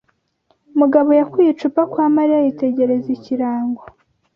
Mugabo yakuye icupa kwa Mariya yitegereza ikirango.